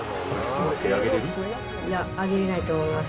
手、いや、挙げられないと思います。